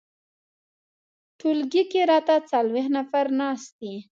ټولګي کې راته څلویښت نفر ناست دي.